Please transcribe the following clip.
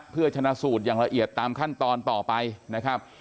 เพื่อชนะสูตรอย่างละเอียดตามขั้นตอนต่อไปนะครับ